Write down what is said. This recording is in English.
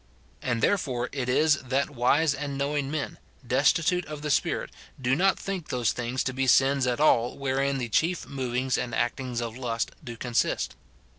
And therefore it is that wise and knowing men, destitute of the Spirit, do not think those things to be sins at all wherein the chief movings and actings of lust do consist.